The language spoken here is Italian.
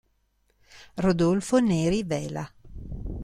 Rodolfo Neri Vela